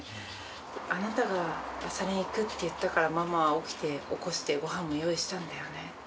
あなたが朝練行くって言ったからママは起きて起こしてご飯も用意したんだよね